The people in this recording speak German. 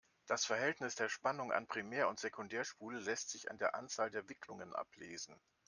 Das Verhältnis der Spannung an Primär- und Sekundärspule lässt sich an der Anzahl der Wicklungen ablesen.